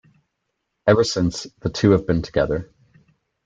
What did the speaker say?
Ever since, the two have been together.